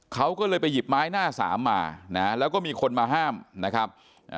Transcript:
เขาก็เลยไปหยิบไม้หน้าสามมานะแล้วก็มีคนมาห้ามนะครับ